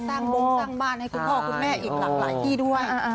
บงสร้างบ้านให้คุณพ่อคุณแม่อีกหลากหลายที่ด้วย